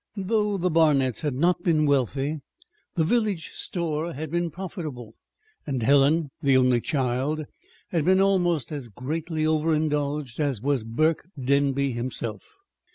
Though the Barnets had not been wealthy, the village store had been profitable; and Helen (the only child) had been almost as greatly overindulged as was Burke Denby himself.